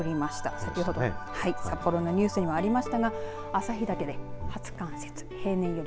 先ほど札幌のニュースにもありましたが旭岳で初冠雪。